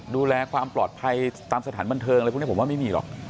ดูแลความปลอดภัยตามสถานบันเทิงอะไรพวกนี้ผมว่าไม่มีหรอก